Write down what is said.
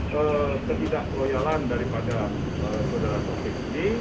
ketidakloyalan daripada saudara taufik ini